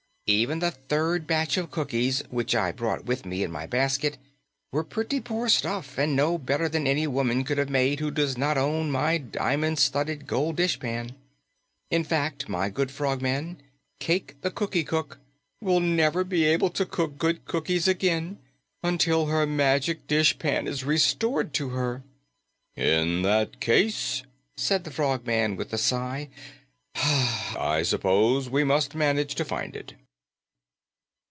Even the third batch of cookies, which I brought with me in my basket, were pretty poor stuff and no better than any woman could make who does not own my diamond studded gold dishpan. In fact, my good Frogman, Cayke the Cookie Cook will never be able to cook good cookies again until her magic dishpan is restored to her." "In that case," said the Frogman with a sigh, "I suppose we must manage to find it."